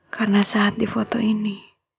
karena saat di foto ini